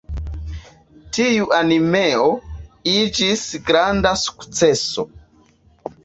Tiu animeo iĝis granda sukceso.